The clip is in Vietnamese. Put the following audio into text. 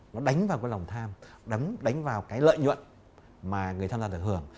nó đánh vào cái lòng tham đánh vào cái lợi nhuận mà người tham gia được hưởng